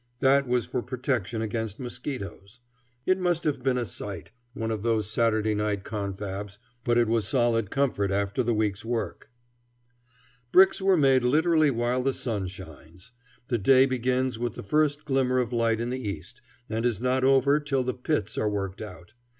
That was for protection against mosquitoes. It must have been a sight, one of those Saturday night confabs, but it was solid comfort after the wreek's work. Bricks are made literally while the sun shines. The day begins with the first glimmer of light in the east, and is not over till the "pits" are worked out.